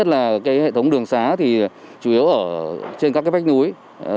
cái hệ thống đường xá thì chủ yếu ở trên các cái vách núi